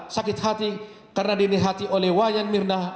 sakit hati karena dinihati oleh wayan mirna